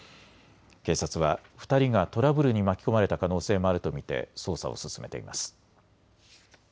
警察は２人がトラブルに巻き込まれた可能性もあると見て捜査を進めています。